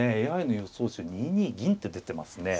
ＡＩの予想手２二銀って出てますね。